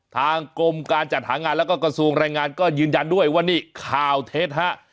ทางกรมการจัดหางานแล้วก็กระทรวงแรงงานก็ยืนยันด้วยว่านี่ข่าวเท็จฮะ